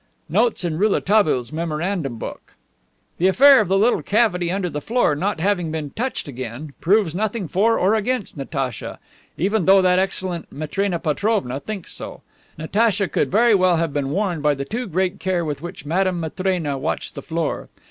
Notes in Rouletabille's memorandum book: The affair of the little cavity under the floor not having been touched again proves nothing for or against Natacha (even though that excellent Matrena Petrovna thinks so). Natacha could very well have been warned by the too great care with which Madame Matrena watched the floor.